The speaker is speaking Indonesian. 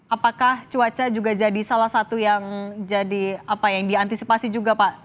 apakah cuaca juga jadi salah satu yang diantisipasi juga pak